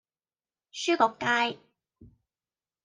書局街